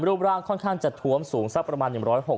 รูปร่างค่อนข้างจะท้วมสูงสักประมาณ๑๖๐